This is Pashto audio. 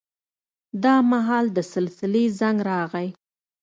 دا مهال د سلسلې زنګ راغی.